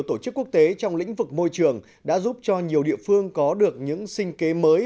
tổ chức quốc tế trong lĩnh vực môi trường đã giúp cho nhiều địa phương có được những sinh kế mới